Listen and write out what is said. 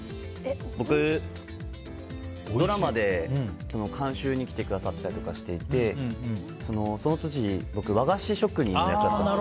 僕、ドラマで監修に来てくださったりとかしていてその時和菓子職人の役だったんです。